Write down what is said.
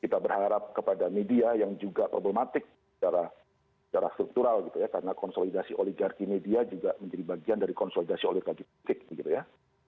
kita berharap kepada media yang juga problematik secara struktural gitu ya karena konsolidasi oligarki media juga menjadi bagian dari konsolidasi oligarki politik gitu ya